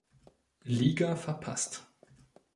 Liga verpasst.